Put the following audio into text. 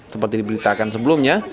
seperti diberitakan sebelumnya